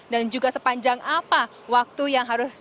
dan juga sepanjang apa waktu yang harus